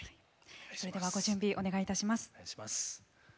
それではご準備お願いいたします。